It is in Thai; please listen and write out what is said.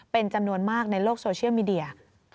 เป็นจำนวนมากในโลกโซเชียลมีเดีย